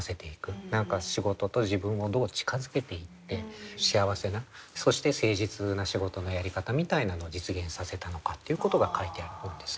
何か仕事と自分をどう近づけていって幸せなそして誠実な仕事のやり方みたいなのを実現させたのかっていうことが書いてある本ですね。